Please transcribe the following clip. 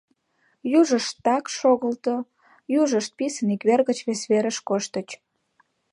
Южышт так шогылто, южышт писын ик вер гыч вес верыш коштыч.